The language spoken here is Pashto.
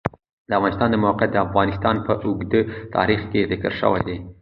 د افغانستان د موقعیت د افغانستان په اوږده تاریخ کې ذکر شوی دی.